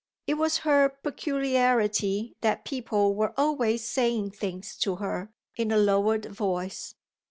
It was her peculiarity that people were always saying things to her in a lowered voice.